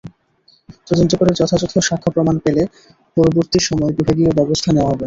তদন্ত করে যথাযথ সাক্ষ্যপ্রমাণ পেলে পরবর্তী সময়ে বিভাগীয় ব্যবস্থা নেওয়া হবে।